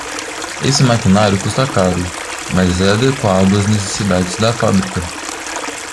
Esse maquinário custa caro, mas é adequado às necessidades da fábrica